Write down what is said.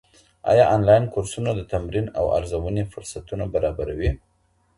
ايا انلاين کورسونه د تمرین او ارزونې فرصتونه برابروي؟